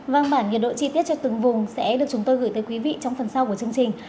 văn bản nhiệt độ chi tiết cho từng vùng sẽ được chúng tôi gửi tới quý vị trong phần sau của chương trình